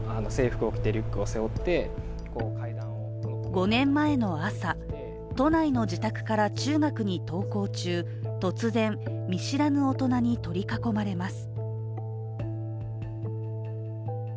５年前の朝、都内の自宅から中学に登校中、突然、見知らぬ大人に取り囲まれます。